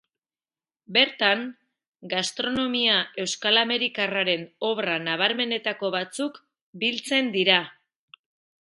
Bertan, gastronomia euskal-amerikarraren obra nabarmenetako batzuk biltzen dira.